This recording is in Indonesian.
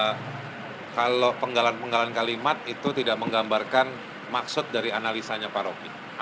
karena kalau penggalan penggalan kalimat itu tidak menggambarkan maksud dari analisanya pak roky